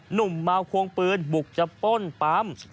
เมาควงปืนบุกจะป้นปั๊ม